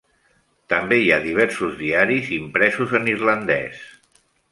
També hi ha diversos diaris impresos en irlandès.